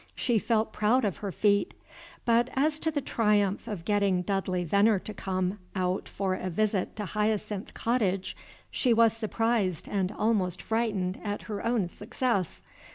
She felt proud of her feat; but as to the triumph of getting Dudley Venner to come out for a visit to Hyacinth Cottage, she was surprised and almost frightened at her own success.